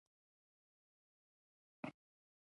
برابر د دوه ویشت د دسمبر و نهه ویشت و شپېتو.